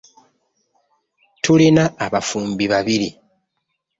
Tulina abafumbi babiri.